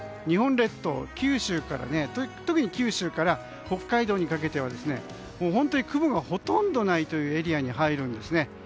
日本列島、特に九州から北海道にかけては本当に雲がほとんどないというエリアに入るんですね。